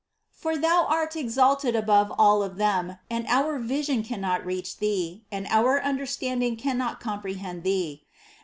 For Thou art exalted above all of them and our vision cannot reach Thee and our understanding cannot comprehend Thee.